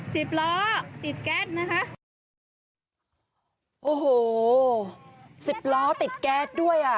สิบล้อติดแก๊สนะคะโอ้โหสิบล้อติดแก๊สด้วยอ่ะ